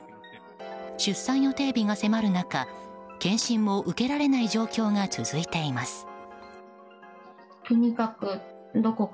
出産予定日が迫る中検診も受けられない状況が続いています。